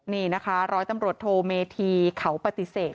นี่นะคะร้อยตำรวจโทเมธีเขาปฏิเสธ